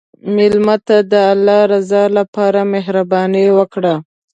مېلمه ته د الله رضا لپاره مهرباني وکړه.